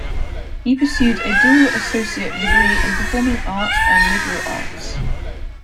He pursued a dual associate degree in performing arts and liberal arts.